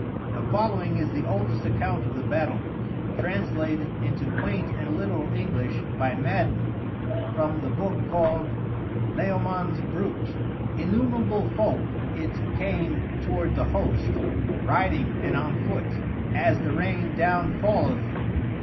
The following is the oldest account of the battle, translated into quaint and literal English by Madden from the book called "Layamon's Brut"; "Innumerable folk it came toward the host, riding and on foot, as the rain down falleth!